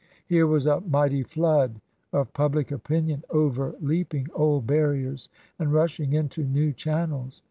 Here was a mighty flood of public opinion, overleaping old barriers and rushing into new channels.